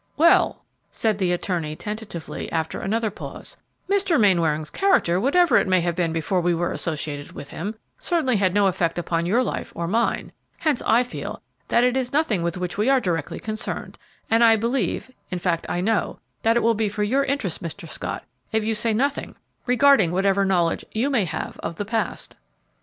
"Well," said the attorney, tentatively, after another pause, "Mr. Mainwaring's character, whatever it may have been before we were associated with him, certainly had no effect upon your life or mine, hence I feel that it is nothing with which we are directly concerned; and I believe, in fact I know, that it will be for your interest, Mr. Scott, if you say nothing regarding whatever knowledge you may have of the past."